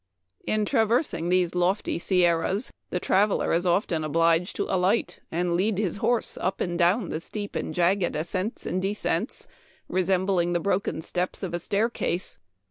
In traversing these lofty sierras the traveler is often obliged to alight and lead his horse up and down the steep and jagged ascents and descents, resembling the broken steps of a staircase.